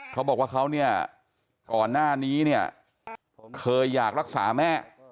เขาบอกว่าเขาเนี่ยก่อนหน้านี้เนี่ยเคยอยากรักษาแม่